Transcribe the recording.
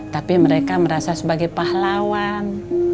tapi mereka merasa sebagai pahlawan